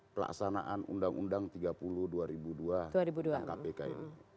pelaksanaan undang undang tiga puluh dua ribu dua dengan kpk ini